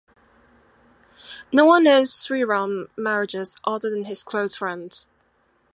No one knows Sriram marriages other than his close friend.